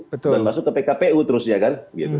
dan masuk ke pkpu terusnya kan